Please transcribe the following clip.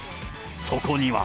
そこには。